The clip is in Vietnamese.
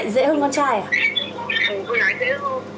nó còn ít